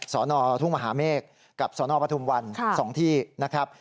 นทุ่งมหาเมฆกับสนปทุมวัน๒ที่นะครับ